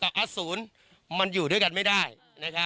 ปู่มหาหมุนีบอกว่าตัวเองอสูญที่นี้ไม่เป็นไรหรอก